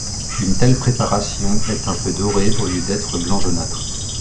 Une telle préparation est un peu dorée au lieu d'être blanc jaunâtre.